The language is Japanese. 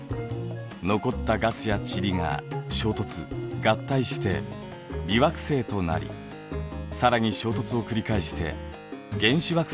残ったガスや塵が衝突・合体して微惑星となり更に衝突を繰り返して原始惑星が生まれました。